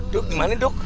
duk dimana duk